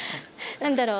何だろう？